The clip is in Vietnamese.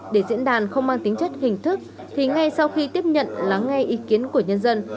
để diễn đàn không mang tính chất hình thức thì ngay sau khi tiếp nhận lắng nghe ý kiến của nhân dân